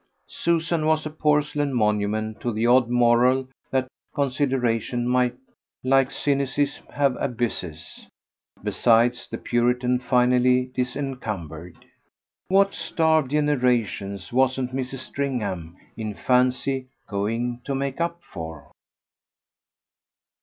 Susan was a porcelain monument to the odd moral that consideration might, like cynicism, have abysses. Besides, the Puritan finally disencumbered ! What starved generations wasn't Mrs. Stringham, in fancy, going to make up for?